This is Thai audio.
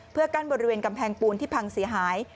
เพื่อกั้นบริเวณกำแพงปูนที่พังเสียหาย